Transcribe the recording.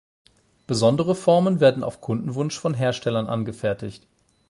Besondere Formen werden auf Kundenwunsch von Herstellern angefertigt.